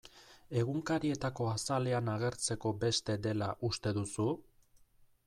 Egunkarietako azalean agertzeko beste dela uste duzu?